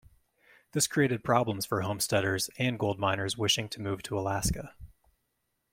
This created problems for homesteaders and gold miners wishing to move to Alaska.